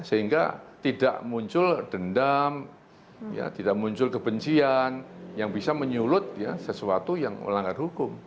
sehingga tidak muncul dendam tidak muncul kebencian yang bisa menyulut sesuatu yang melanggar hukum